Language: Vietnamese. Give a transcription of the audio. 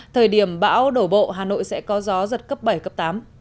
thời điểm bão đổ bộ hà nội sẽ có gió giật cấp bảy cấp tám